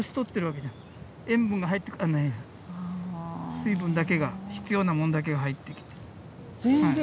水分だけが必要なものだけが入ってきて。